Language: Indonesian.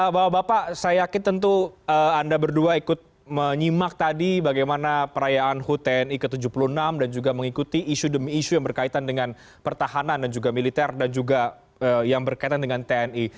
bapak bapak saya yakin tentu anda berdua ikut menyimak tadi bagaimana perayaan hut tni ke tujuh puluh enam dan juga mengikuti isu demi isu yang berkaitan dengan pertahanan dan juga militer dan juga yang berkaitan dengan tni